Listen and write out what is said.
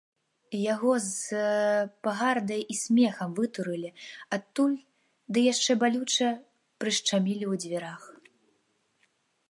Яго з пагардай і смехам вытурылі адтуль ды яшчэ балюча прышчамілі ў дзвярах.